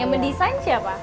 yang mendesain siapa